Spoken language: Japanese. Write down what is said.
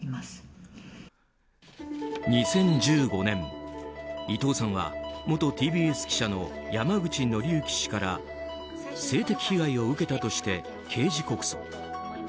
２０１５年、伊藤さんは元ＴＢＳ記者の山口敬之氏から性的被害を受けたとして刑事告訴。